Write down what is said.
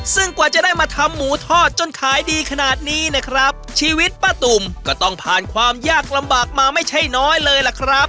ซึ่งกว่าจะได้มาทำหมูทอดจนขายดีขนาดนี้นะครับชีวิตป้าตุ่มก็ต้องผ่านความยากลำบากมาไม่ใช่น้อยเลยล่ะครับ